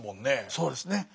そうですね。